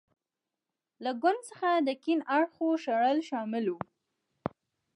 له ګوند څخه د کیڼ اړخو شړل شامل و.